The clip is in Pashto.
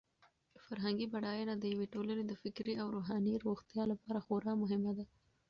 فرهنګي بډاینه د یوې ټولنې د فکري او روحاني روغتیا لپاره خورا مهمه ده.